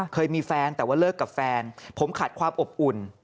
เคยมีแฟนแต่ว่าเลิกกับแฟนผมขาดความอบอุ่น